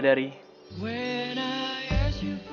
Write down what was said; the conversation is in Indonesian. satu hari baru sampai seperti berakhir saja